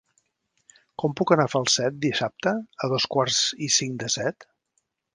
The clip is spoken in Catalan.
Com puc anar a Falset dissabte a dos quarts i cinc de set?